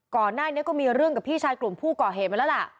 ก่อนหน้านี้ก็มีเรื่องกับพี่ชายกลุ่มผู้ก่อเหตุมาแล้วล่ะ